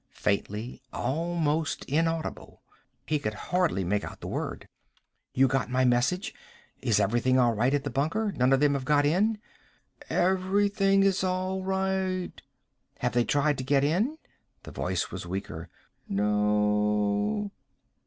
Faintly. Almost inaudible. He could hardly make out the word. "You got my message? Is everything all right at the bunker? None of them have got in?" "Everything is all right." "Have they tried to get in?" The voice was weaker. "No."